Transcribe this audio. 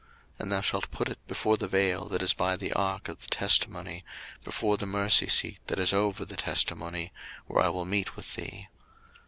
02:030:006 And thou shalt put it before the vail that is by the ark of the testimony, before the mercy seat that is over the testimony, where I will meet with thee.